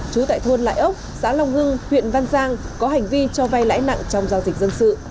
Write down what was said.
trú tại thôn lại ốc xã long hưng huyện văn giang có hành vi cho vay lãi nặng trong giao dịch dân sự